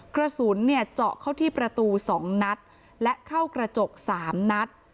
กระสุนเนี่ยเจาะเข้าที่ประตู๒นัดและเข้ากระจก๓นัด